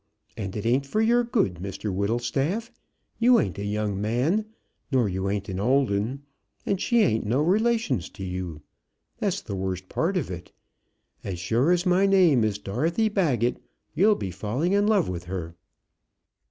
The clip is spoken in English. And it ain't for your good, Mr Whittlestaff. You ain't a young man nor you ain't an old un; and she ain't no relations to you. That's the worst part of it. As sure as my name is Dorothy Baggett, you'll be falling in love with her."